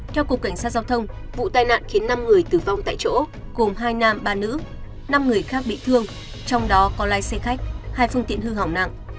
theo cục cảnh sát giao thông vụ tai nạn khiến năm người tử vong tại chỗ gồm hai nam ba nữ năm người khác bị thương trong đó có lái xe khách hai phương tiện hư hỏng nặng